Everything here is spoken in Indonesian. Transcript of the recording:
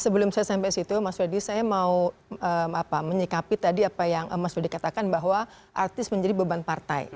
sebelum saya sampai situ mas weddi saya mau menyikapi tadi apa yang mas wedi katakan bahwa artis menjadi beban partai